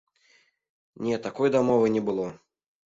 Не, такой дамовы не было!